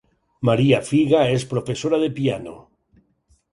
Maria Figa és professora de piano.